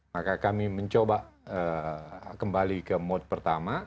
maka kami mencoba kembali ke mode pertama